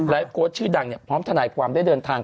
โพสต์ชื่อดังพร้อมทนายความได้เดินทาง